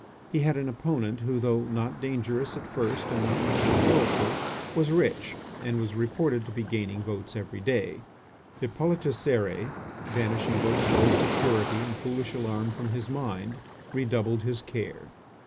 He had an opponent, who, though not dangerous at first and not much of an orator, was rich and was reported to be gaining votes every day. Hippolyte Cérès, banishing both dull security and foolish alarm from his mind, redoubled his care.